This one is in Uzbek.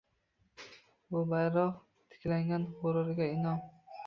Bu bayrok, tiklangan g‘ururga in’om